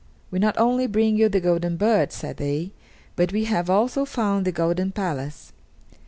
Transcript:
"We not only bring you the golden bird," said they, "but we have also found the golden palace."